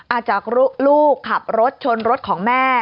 จากลูกขับรถชนรถของแม่